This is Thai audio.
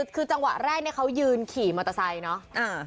คือจังหวะแรกเขายืนขี่มอเตอร์ไซค์เนาะ